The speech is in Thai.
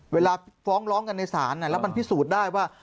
เวลาฟ้องร้องกันในศาลแล้วมันพิสูจน์ได้ว่า